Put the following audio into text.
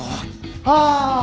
ああ！